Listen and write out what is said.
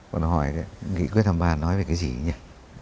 còn hỏi nghị quyết thăm ba nói về cái gì nhỉ